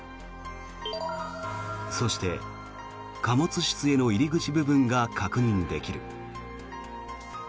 そして貨物室への入り口部分が確認できる。